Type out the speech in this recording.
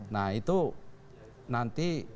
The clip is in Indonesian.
nah itu nanti